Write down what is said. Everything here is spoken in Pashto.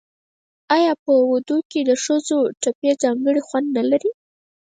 آیا په ودونو کې د ښځو ټپې ځانګړی خوند نلري؟